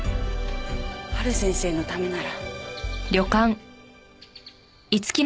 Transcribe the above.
陽先生のためなら。